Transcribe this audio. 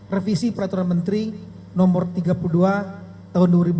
revisi peraturan menteri nomor tiga puluh dua tahun dua ribu sembilan belas